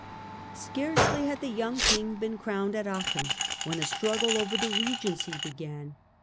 Scarcely had the young king been crowned at Aachen when a struggle over the regency began.